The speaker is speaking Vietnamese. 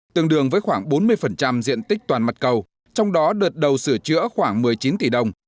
tương đương với khoảng bốn mươi diện tích toàn mặt cầu trong đó đợt đầu sửa chữa khoảng một mươi chín tỷ đồng